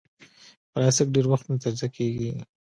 پلاستيک ډېر وخت نه تجزیه کېږي.